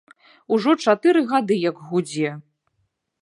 Ужо чатыры гады як гудзе.